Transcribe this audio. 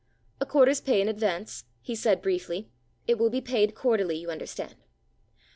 "A quarter's pay in advance," he said briefly. "It will be paid quarterly, you understand."